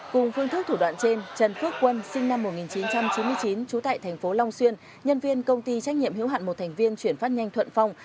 cùng phương thức thủ đoạn trên trần phước quân sinh năm một nghìn chín trăm chín mươi chín trú tại thành phố long xuyên nhân viên công ty trách nhiệm hữu hạn một thành viên chuyển phát nhanh thuận phong